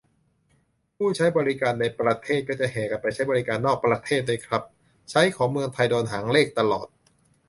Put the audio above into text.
ผู้ใช้บริการในประเทศก็จะแห่กันไปใช้บริการนอกประเทศด้วยครับ ใช้ของเมืองไทย โดนหางเลขตลอด